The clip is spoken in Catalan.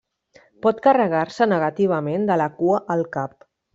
Pot carregar-se negativament de la cua al cap.